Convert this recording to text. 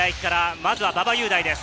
まずは馬場雄大。